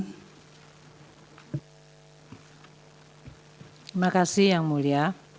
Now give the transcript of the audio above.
terima kasih yang mulia